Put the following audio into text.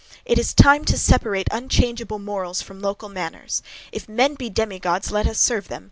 It is time to separate unchangeable morals from local manners. If men be demi gods, why let us serve them!